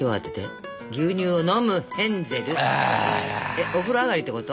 えお風呂上がりってこと？